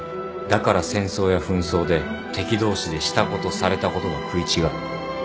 だから戦争や紛争で敵同士でしたことされたことが食い違う。